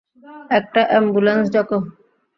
একটা অ্যাম্বুলেন্স ডাকো!